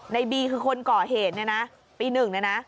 ในบีคือคนก่อเหตุเนี่ยนะปีหนึ่งเนี่ยนะ